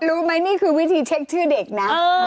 รู้ไหมนี่คือวิธีเช็คชื่อเด็กนะ